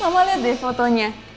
mama lihat deh fotonya